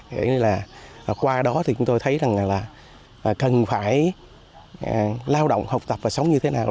vậy nên là qua đó thì chúng tôi thấy rằng là cần phải lao động học tập và sống như thế nào